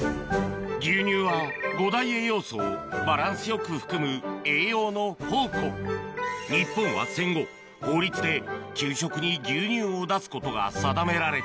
牛乳は五大栄養素をバランスよく含む栄養の宝庫日本は戦後法律で給食に牛乳を出すことが定められた